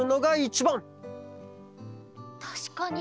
たしかに。